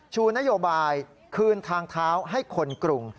ชูนโยบายคืนทางเท้าให้คนกรุง